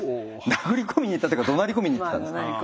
殴り込みに行ったというかどなり込みに行ってたんです。